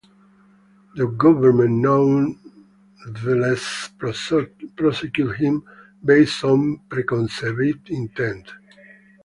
The government nonetheless prosecuted him based on preconceived intent.